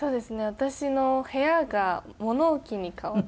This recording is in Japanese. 私の部屋が物置に変わってしまってて。